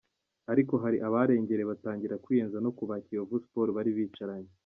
Ariko hari abarengereye batangira kwiyenza no ku ba Kiyovu Sports bari bicaranye.